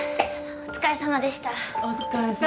お疲れさまでした。